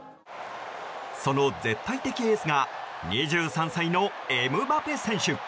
その絶対的エースが２３歳のエムバペ選手。